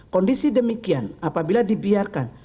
kondisi demikian apabila dibiarkan